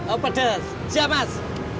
oh pedes siap mas